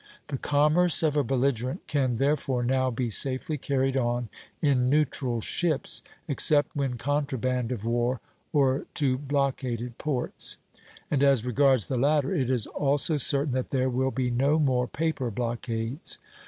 The commerce of a belligerent can therefore now be safely carried on in neutral ships, except when contraband of war or to blockaded ports; and as regards the latter, it is also certain that there will be no more paper blockades.